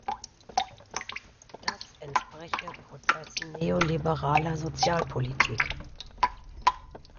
Das entspreche Prozessen neoliberaler Sozialpolitik.